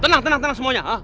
tenang tenang tenang semuanya